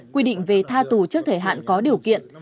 quy định về tha tù trước thời hạn có điều kiện